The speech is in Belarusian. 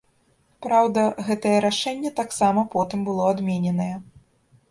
Праўда, гэтае рашэнне таксама потым было адмененае.